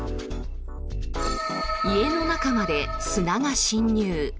家の中まで砂が侵入。